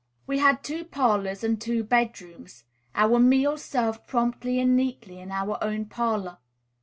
We had two parlors and two bedrooms; our meals served promptly and neatly, in our own parlor.